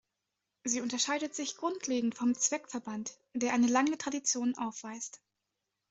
Sie unterscheidet sich grundlegend vom Zweckverband, der eine lange Tradition aufweist.